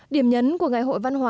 điểm nhấn của ngày hội văn hóa